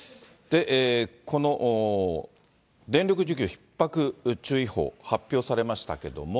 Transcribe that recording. この電力需給ひっ迫注意報、発表されましたけども。